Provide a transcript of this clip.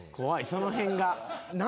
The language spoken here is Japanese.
その辺が。